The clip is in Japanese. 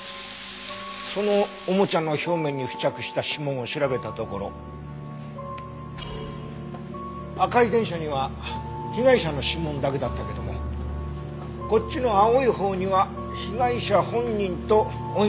そのおもちゃの表面に付着した指紋を調べたところ赤い電車には被害者の指紋だけだったけどもこっちの青いほうには被害者本人と甥の遼馬くん。